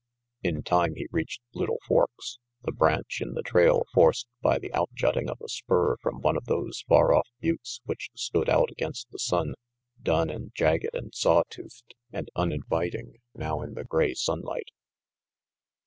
In time he reached Little Forks, the branch in the trail forced by the out jutting of a spur from one of those far off buttes which stood out against the sky, dun and jagged and saw toothed, and uninviting now in the gray sunlight.